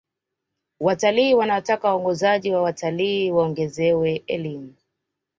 watalii wanataka waongozaji wa watalii waongezewe elimu